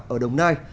ở đồng nai